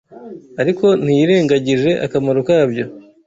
ariko ntiyirengagije akamaro kabyo